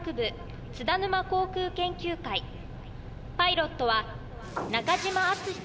パイロットは。